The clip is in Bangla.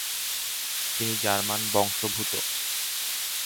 তিনি জার্মান বংশদ্ভুত।